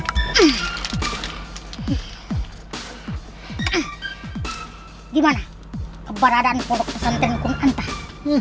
nah gimana keberadaan produk pesan tren kun antah